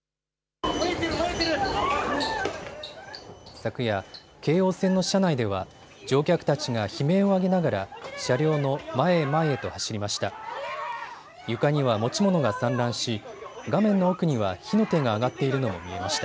昨夜、京王線の車内では乗客たちが悲鳴を上げながら車両の前へ前へと走りました。